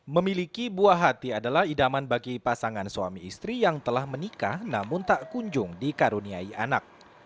memiliki buah hati adalah idaman bagi pasangan suami istri yang telah menikah namun tak kunjung dikaruniai anak